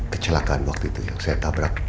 kecelakaan waktu itu yang saya tabrak suami ibu